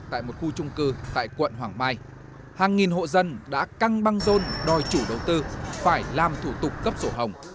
trong lúc cư tại quận hoàng mai hàng nghìn hộ dân đã căng băng rôn đòi chủ đầu tư phải làm thủ tục cấp sổ hồng